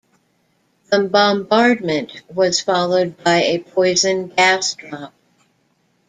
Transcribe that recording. The bombardment was followed by a poison gas drop.